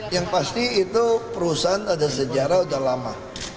yang pasti itu perusahaan ada sejarah sudah lama